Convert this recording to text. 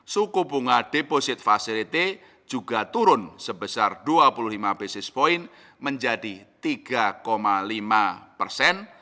suku bunga deposit facility juga turun sebesar dua puluh lima basis point menjadi tiga lima persen